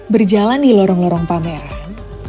berjalan di lorong lorong pameran